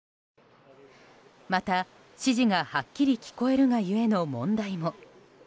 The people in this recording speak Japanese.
また、指示がはっきり聞こえるが故の問題も。